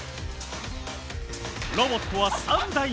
ロボットは３台まで。